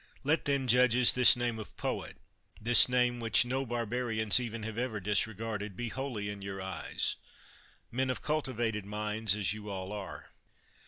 Let then, judges, this name of poet, this name which no barbarians even have ever disregarded, be holy in your eyes, men of cultivated minds as you all are.